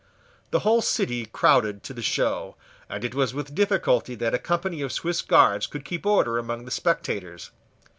The whole city crowded to the show; and it was with difficulty that a company of Swiss guards could keep order among the spectators.